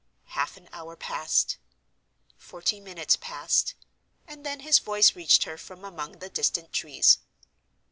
Half an hour passed; forty minutes passed—and then his voice reached her from among the distant trees.